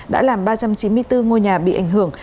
đã làm ba trăm chín mươi bốn ngôi nhà bị ảnh hưởng